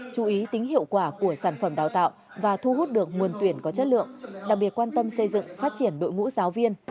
chú ý tính hiệu quả của sản phẩm đào tạo và thu hút được nguồn tuyển có chất lượng đặc biệt quan tâm xây dựng phát triển đội ngũ giáo viên